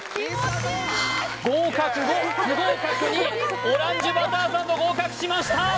合格５不合格２オランジュバターサンド合格しました